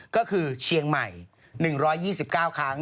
ก็คือเชียงใหม่๑๒๙ครั้ง